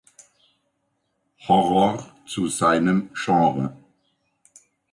Horror zu seinem Genre.